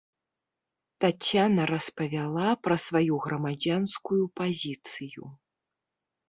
Таццяна распавяла пра сваю грамадзянскую пазіцыю.